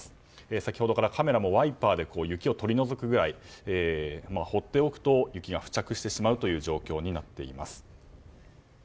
先ほどからカメラもワイパーで雪を取り除くぐらい放っておくと雪が付着してしまうという状況になっています。